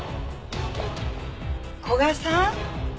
古雅さん？